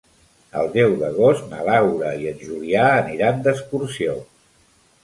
El deu d'agost na Laura i en Julià aniran d'excursió.